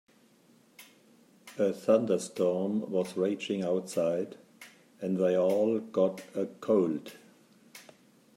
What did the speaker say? A thunderstorm was raging outside and they all got a cold.